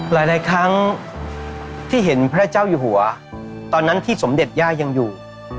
หลายครั้งที่เห็นพระเจ้าอยู่หัวตอนนั้นที่สมเด็จย่ายังอยู่